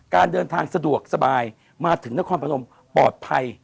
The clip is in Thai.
การเดินทางสะดวกสบายมาถึงนครพนมปลอดภัย